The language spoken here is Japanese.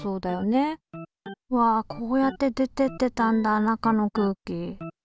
わこうやって出てってたんだ中の空気。